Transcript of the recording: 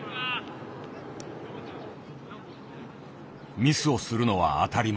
ミスをするのは当たり前。